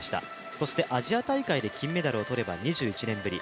そしてアジア大会で金メダルを取れば２１年ぶり。